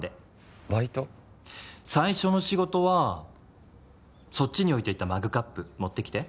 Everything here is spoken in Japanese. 最初の仕事はそっちに置いていたマグカップ持ってきて。